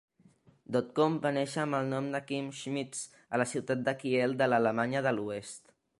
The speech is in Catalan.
Dotcom va néixer amb el nom de Kim Schmitz a la ciutat de Kiel de l'Alemanya de l'Oest.